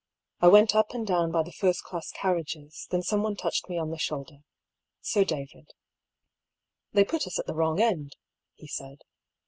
I went up and down by the first class carriages, then someone touched me on the shoulder — Sir David. " They put us at the wrong end," he said.